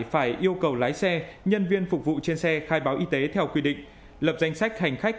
phải yêu cầu lái xe nhân viên phục vụ trên xe khai báo y tế theo quy định lập danh sách hành khách